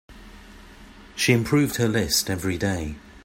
She improved her list every day.